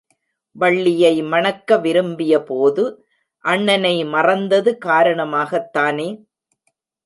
வள்ளியை மணக்க விரும்பிய போது அண்ணனை மறந்தது காரணமாகத்தானே.